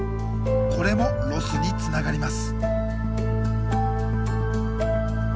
これもロスにつながります。